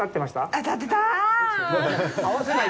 当たってたあ。